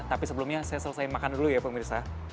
tapi sebelumnya saya selesai makan dulu ya pemirsa